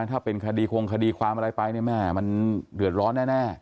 ถ้าเป็นคดีคงคดีความอะไรไปเนี่ยแม่มันเดือดร้อนแน่